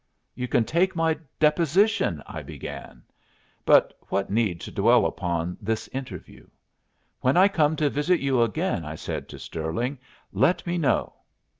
"You can take my deposition," I began; but what need to dwell upon this interview? "When I come to visit you again," I said to Stirling, "let me know."